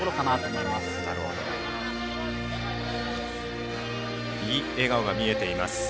いい笑顔が見えています。